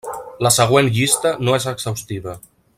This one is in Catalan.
La següent llista no és exhaustiva.